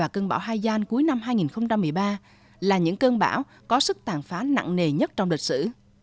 cơn bão hai gian cuối năm hai nghìn một mươi ba là những cơn bão có sức tàn phá nặng nề nhất trong lịch sử